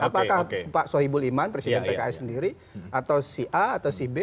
apakah pak sohibul iman presiden pks sendiri atau si a atau si b